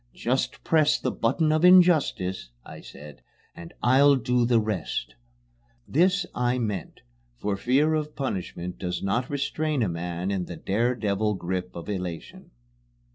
"Just press the button of Injustice," I said, "and I'll do the rest!" This I meant, for fear of punishment does not restrain a man in the dare devil grip of elation.